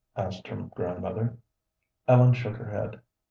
asked her grandmother. Ellen shook her head.